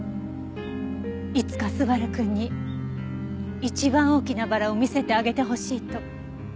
いつか昴くんに一番大きなバラを見せてあげてほしいと。